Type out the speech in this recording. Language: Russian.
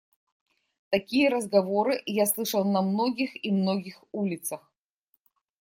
Такие разговоры я слышал на многих и многих улицах.